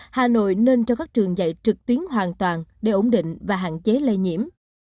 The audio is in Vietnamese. hà nội nên cho các trường dạy trực tuyến hoàn toàn để ổn định và hạn chế lây nhiễm